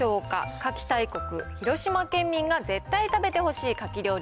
カキ大国、広島県民が絶対食べてほしいカキ料理